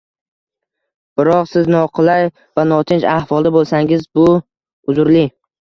Biroq siz noqulay va notinch ahvolda bo‘lsangiz bu uzrli.